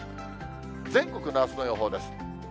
全国のあすの予報です。